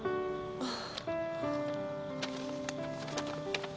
あっ。